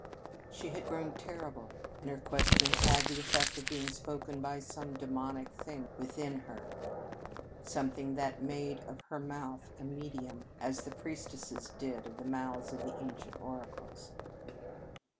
She had grown terrible, and her questions had the effect of being spoken by some daemonic thing within her something that made of her mouth a medium as the priestesses did of the mouths of the ancient oracles.